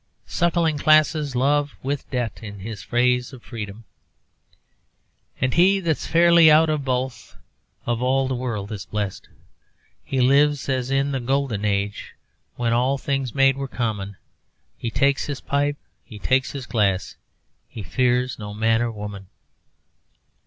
Suckling classes love with debt in his praise of freedom. 'And he that's fairly out of both Of all the world is blest. He lives as in the golden age, When all things made were common; He takes his pipe, he takes his glass, He fears no man or woman.'